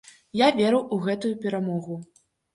Я верыў у гэтую перамогу.